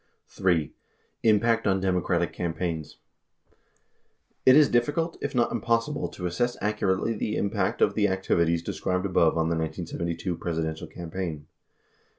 3. IMPACT OX DEMOCRATIC CAMPAIGNS It is difficult, if not impossible, to assess accurately the impact of the activities described above on the 1972 Presidential campaign.